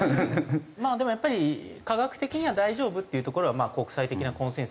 まあでもやっぱり科学的には大丈夫というところがまあ国際的なコンセンサスだと。